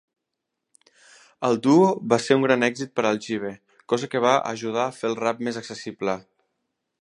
El duo va ser un gran èxit per al jive, cosa que va ajudar a fer el rap més accessible.